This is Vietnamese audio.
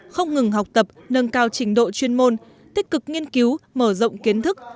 không ngừng học tập nâng cao trình độ chuyên môn tích cực nghiên cứu mở rộng kiến thức